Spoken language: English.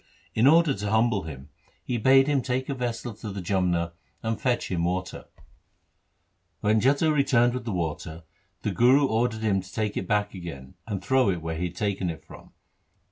In order to humble him he 1 Bilawal. LIFE OF GURU HAR GOBIND 25 bade him take a vesse to the Jamna and fetch him water. When Jetha returned with the water, the Guru ordered him to take it. back again, and throw it where he had taken it from.